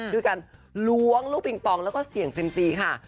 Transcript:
ด้วยการล้วงลูกปิงปองแล้วก็เสี่ยงเซ็มซีค่ะ